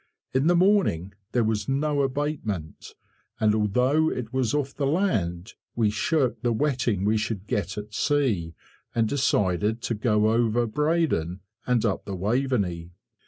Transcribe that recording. In the morning there was no abatement, and although it was off the land, we shirked the wetting we should get at sea, and decided to go over Breydon, and up the Waveney.